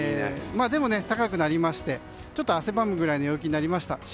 でも高くなりましてちょっと汗ばむくらいの陽気になりました。